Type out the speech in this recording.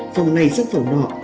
phòng này sắp phòng nọ